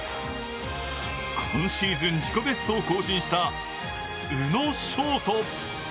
今シーズン自己ベストを更新した宇野勝翔。